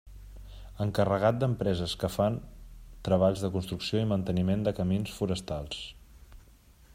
Encarregat d'empreses que fan treballs de construcció i manteniment de camins forestals.